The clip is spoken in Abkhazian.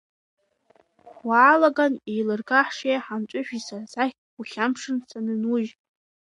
Уаалаган еилырга ҳшеи ҳамҵәышәи, сара сахь ухьамԥшын, санынужь.